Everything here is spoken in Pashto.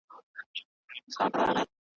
دوی د معاهدې په عملي کولو کي پوره خوښ دي.